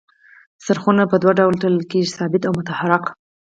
څرخونه په دوه ډوله تړل کیږي ثابت او متحرک.